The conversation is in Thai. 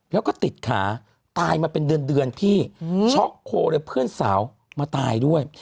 แล้วก็ติดขาตายมาเป็นเดือนพี่ช็อกโคเลยเพื่อนสาวมาตายด้วย